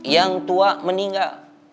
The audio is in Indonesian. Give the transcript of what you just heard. yang tua meninggal